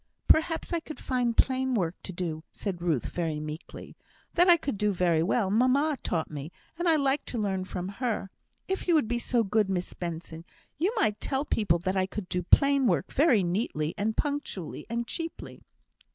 "Perhaps I could find plain work to do," said Ruth, very meekly. "That I can do very well; mamma taught me, and I liked to learn from her. If you would be so good, Miss Benson, you might tell people I could do plain work very neatly, and punctually, and cheaply."